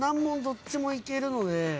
どっちもいけるので。